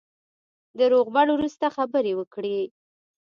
د روغبړ وروسته خبرې وکړې.